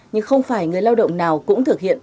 nhưng không phải người lao động nào cũng thực hiện